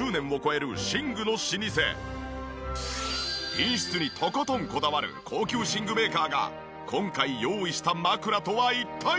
品質にとことんこだわる高級寝具メーカーが今回用意した枕とは一体？